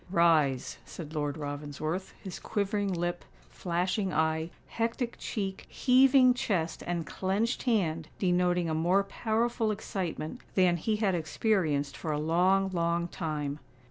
"Rise," said Lord Ravensworth, his quivering lip, flashing eye, hectic cheek, heaving chest, and clenched hand denoting a more powerful excitement than he had experienced for a long, long time.